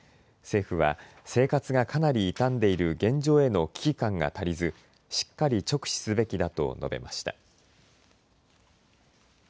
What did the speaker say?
政府は生活がかなり痛んでいる現状への危機感が足りずしっかり直視すべきだと述べました。